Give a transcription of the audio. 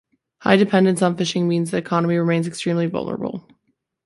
High dependence on fishing means the economy remains extremely vulnerable.